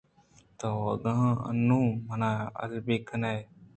تو اگاں اَنُّوں منا یلہ بِہ کن ئے